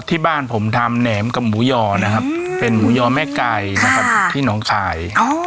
ที่บ้านผมทำแหนมกับหมูยอนะครับเป็นหมูยอแม่ไก่นะครับที่หนองคาย